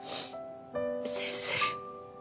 先生